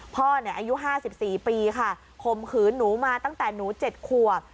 พ่ออายุ๕๔ปีค่ะข่มขืนหนูมาตั้งแต่หนู๗ขวบ